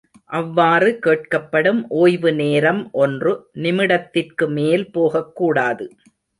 அவ்வாறு கேட்கப்படும் ஒய்வு நேரம் ஒன்று நிமிடத்திற்கு மேல் போகக்கூடாது.